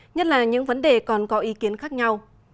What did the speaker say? nhất là những vấn đề còn có ý kiến khác nhau